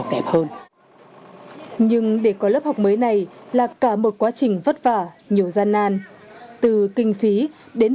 đẹp hơn nhưng để có lớp học mới này là cả một quá trình vất vả nhiều gian nan từ kinh phí đến